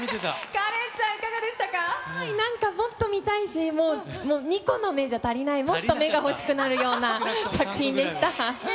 カレンちゃん、いかがでしたなんかもっと見たいし、もう、２個の目じゃ足りない、もっと目が欲しくなるような作品でした。